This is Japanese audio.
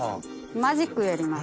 マジックをやります。